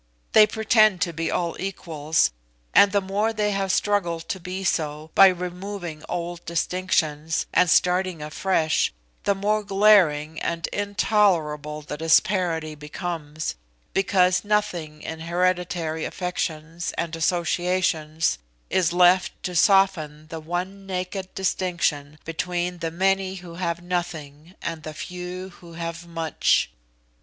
They pretend to be all equals, and the more they have struggled to be so, by removing old distinctions, and starting afresh, the more glaring and intolerable the disparity becomes, because nothing in hereditary affections and associations is left to soften the one naked distinction between the many who have nothing and the few who have much.